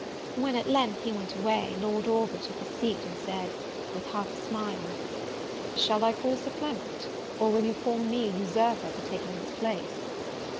When at length he went away, Lord Orville took his seat, and said, with a half smile, "Shall I call Sir Clement, or will you call me an usurper for taking this place?